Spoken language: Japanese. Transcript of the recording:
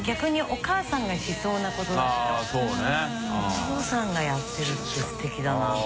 お父さんがやってるってすてきだなって。